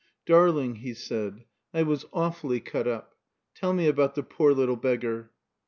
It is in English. "Darling," he said, "I was awfully cut up. Tell me about the poor little beggar."